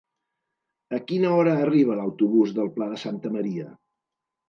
A quina hora arriba l'autobús del Pla de Santa Maria?